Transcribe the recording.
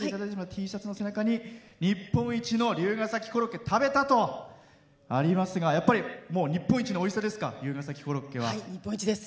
Ｔシャツの背中に「日本一の龍ケ崎コロッケ食べた！？」とありますがやっぱり日本一のおいしさですかはい、日本一です。